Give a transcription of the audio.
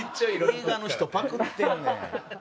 映画の人パクってんねん。